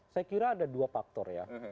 saya kira ada dua faktor ya